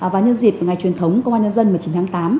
và nhân dịp ngày truyền thống công an nhân dân chín tháng tám